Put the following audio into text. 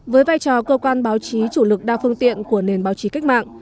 với vai trò cơ quan báo chí chủ lực đa phương tiện của nền báo chí cách mạng